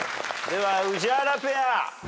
では宇治原ペア。